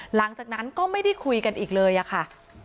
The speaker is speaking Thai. หลังจากนั้นก็ไม่ได้คุยกันอีกเลยอะค่ะ